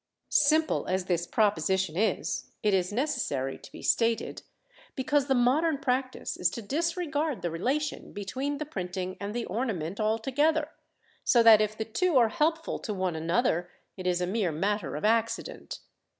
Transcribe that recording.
Simple as this proposition is, it is necessary to be stated, because the modern practice is to disregard the relation between the printing and the ornament altogether, so that if the two are helpful to one another it is a mere matter of accident.